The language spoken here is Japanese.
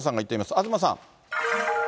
東さん。